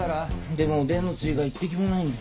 でもおでんのつゆが一滴もないんだ。